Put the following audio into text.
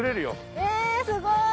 ・ええすごい。